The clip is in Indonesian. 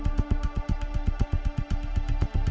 jadi yang perhatiannya